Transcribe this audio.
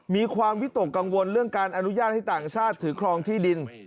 มีความวิตกกังวลเรื่องการอนุญาตให้ต่างชาติถือครองที่ดิน